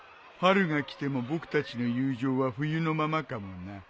春が来ても僕たちの友情は冬のままかもな。